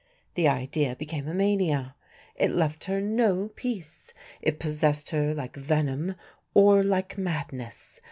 The idea became a mania. It left her no peace. It possessed her like venom or like madness.